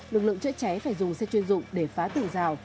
lực lượng chữa cháy phải dùng xe chuyên dụng để phá tường rào